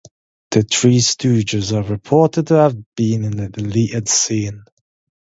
The Three Stooges are reported to have been in a deleted scene.